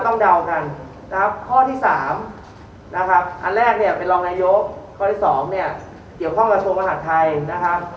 เดากันนะครับข้อที่๓นะครับอันแรกเนี่ยเป็นรองนายกข้อที่๒เนี่ยเกี่ยวข้องกับส่วนมหาดไทยนะครับ